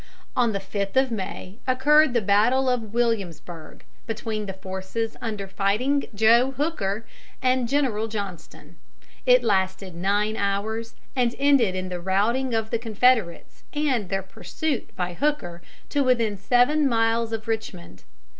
On the 5th of May occurred the battle of Williamsburg, between the forces under "Fighting Joe" Hooker and General Johnston. It lasted nine hours, and ended in the routing of the Confederates and their pursuit by Hooker to within seven miles of Richmond.